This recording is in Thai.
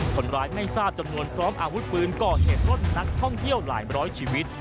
คนร้ายไม่ทราบจำนวนพร้อมอาวุธปืนก่อเหตุล้นนักท่องเที่ยวหลายร้อยชีวิต